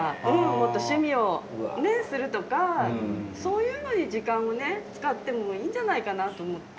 もっと趣味をねするとかそういうのに時間をね使ってもいいんじゃないかなと思って。